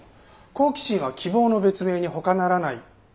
好奇心は希望の別名に他ならない。